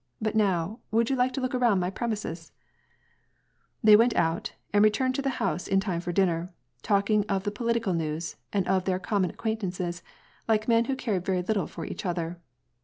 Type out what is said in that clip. But now would you like to look around my premises ?*' They went out and returned to the house in time for din ner, talking of the political news, and of their common acquaintances, like men who cared very little for each other.